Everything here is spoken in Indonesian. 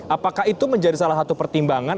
apakah itu menjadi salah satu pertimbangan